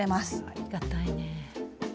ありがたいね。